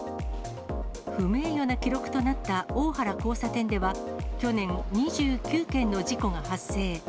不名誉な記録となった大原交差点では、去年、２９件の事故が発生。